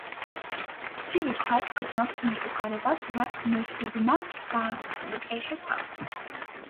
ცივი ქვაც გრძნობს იმ მწუხარებას, რაც ღმერთებმა დაატეხეს თავს.